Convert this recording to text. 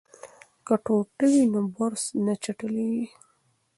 که ټوټه وي نو برس نه چټلیږي.